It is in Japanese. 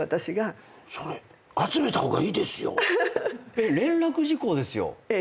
えっ連絡事項ですよ。